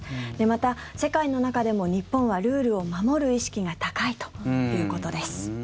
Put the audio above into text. また、世界の中でも日本はルールを守る意識が高いということです。